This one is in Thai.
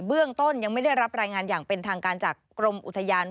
เรื่องต้นยังไม่ได้รับรายงานอย่างเป็นทางการจากกรมอุทยาน